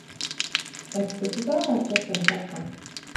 Vai tu tiki galā ar džekiem parkā?